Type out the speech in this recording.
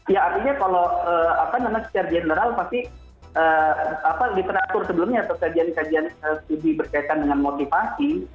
ya artinya kalau secara general pasti literatur sebelumnya atau kajian kajian studi berkaitan dengan motivasi